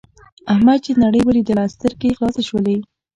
احمد چې نړۍ ولیدله سترګې یې خلاصې شولې.